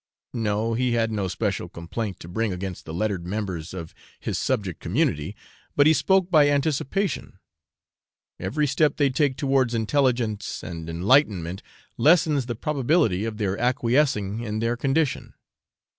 No; he had no special complaint to bring against the lettered members of his subject community, but he spoke by anticipation. Every step they take towards intelligence and enlightenment lessens the probability of their acquiescing in their condition.